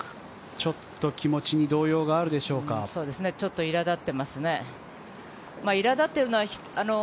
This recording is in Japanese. ちょっと気持ちに動揺ちょっといらだってますね。